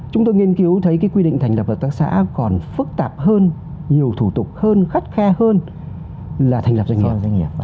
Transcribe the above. chúng tôi nghiên cứu thấy cái quy định thành lập hợp tác xã còn phức tạp hơn nhiều thủ tục hơn khắt khe hơn là thành lập doanh nghiệp doanh nghiệp